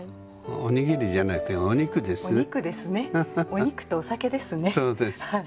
お肉とお酒ですね。